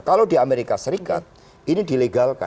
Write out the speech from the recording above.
kalau di amerika serikat ini dilegalkan